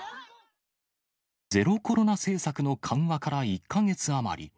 ゼロコロナ政策の緩和から１か月余り。